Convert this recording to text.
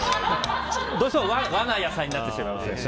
どうしても和な野菜になってしまいます。